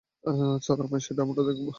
ছাড়ো আমায় সেটা আমরা দেখবো।